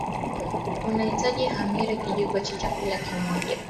Utahitaji hamira Kijiko cha chakula moja